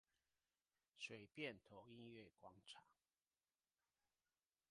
水汴頭音樂廣場